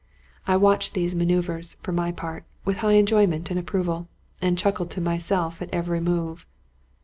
I watched these maneuvers, for my part, with high enjoyment and approval, and chuckled to myself at every move.